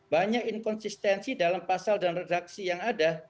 banyak inkonsistensi dalam pasal dan redaksi yang ada